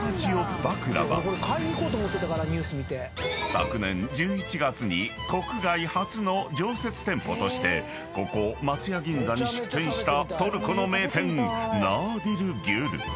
［昨年１１月に国外初の常設店舗としてここ松屋銀座に出店したトルコの名店ナーディル・ギュル］